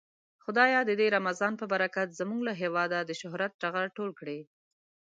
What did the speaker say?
خدايه د دې رمضان په برکت زمونږ له هيواده د شهرت ټغر ټول کړې.